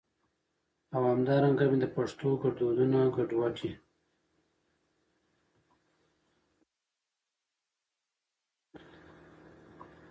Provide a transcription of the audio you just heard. او همدا رنګه مي د پښتو ګړدودونه ګډوډي